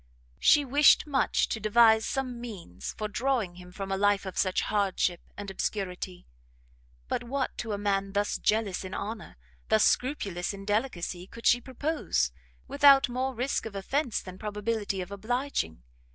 She wished much to devise some means for drawing him from a life of such hardship and obscurity; but what to a man thus "jealous in honour," thus scrupulous in delicacy, could she propose, without more risk of offence, than probability of obliging?